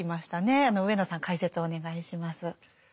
上野さん解説をお願いします。